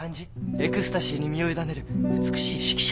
エクスタシーに身を委ねる美しい指揮者。